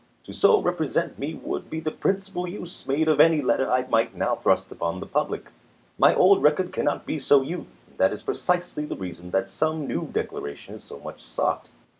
To so represent me would be the principal use made of any letter I might now thrust upon the public. My old record cannot be so used; and that is precisely the reason that some new declaration is so much sought.